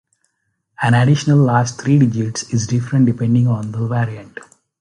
An additional last three digits is different depending on the variant.